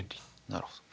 なるほど。